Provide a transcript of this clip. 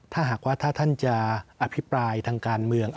ถ้าหากว่าถ้าท่านจะอภิปรายทางการเมือง